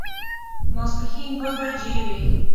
ماسپښين دوه بجې وې.